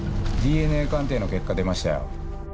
ＤＮＡ鑑定の結果出ましたよ。